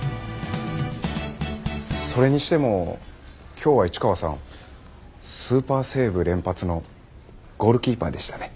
それにしても今日は市川さんスーパーセーブ連発のゴールキーパーでしたね。